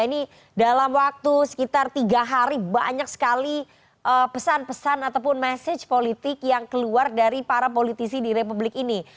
ini dalam waktu sekitar tiga hari banyak sekali pesan pesan ataupun message politik yang keluar dari para politisi di republik ini